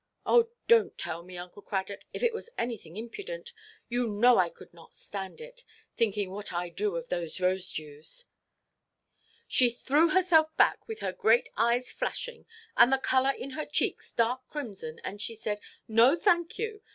"Oh donʼt tell me, Uncle Cradock, if it was anything impudent. You know I could not stand it, thinking what I do of those Rosedews." "She threw herself back with her great eyes flashing, and the colour in her cheeks dark crimson, and she said, 'No, thank you.